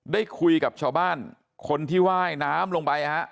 ได้คุยกับชาวบ้านคนที่ว่ายน้ำลงไปฮะ